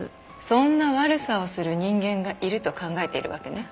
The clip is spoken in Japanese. そんな悪さをする人間がいると考えているわけね。